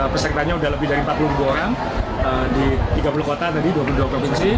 pesertanya sudah lebih dari empat puluh dua orang di tiga puluh kota tadi dua puluh dua provinsi